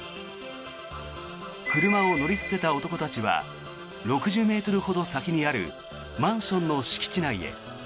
車を乗り捨てた男たちは６０ｍほど先にあるマンションの敷地内へ。